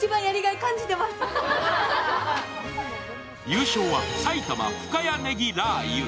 優勝は埼玉深谷ねぎラー油。